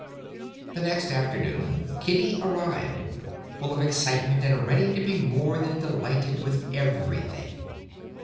The next afternoon Kitty arrived, full of excitement, and ready to be more than delighted with everything.